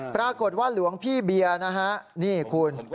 ปรากฏว่าหลวงพี่เบียร์นะฮะนี่คุณ